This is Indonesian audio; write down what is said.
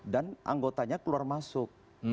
dan anggotanya keluar masuk